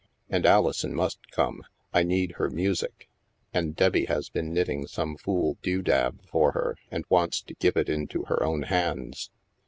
And Alison must come. I need her music. And Debbie has been knitting some fool dew dab for her, and wants to give it into her own hands.